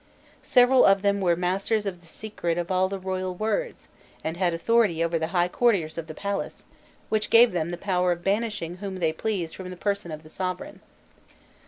Several of them were "Masters of the Secret of all the Royal Words," and had authority over the high courtiers of the palace, which gave them the power of banishing whom they pleased from the person of the sovereign.